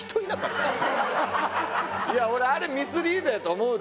いや俺あれミスリードやと思うで。